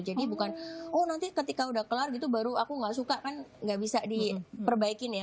jadi bukan oh nanti ketika udah kelar gitu baru aku nggak suka kan nggak bisa diperbaikin ya